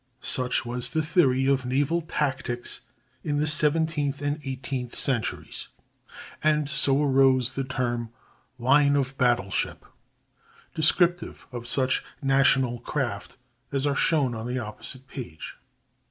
Such was the theory of naval tactics in the seventeenth and eighteenth centuries; and so arose the term line of battle ship, descriptive of such national craft as are shown on the opposite page.